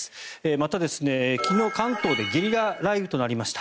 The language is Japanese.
また、昨日関東でゲリラ雷雨となりました。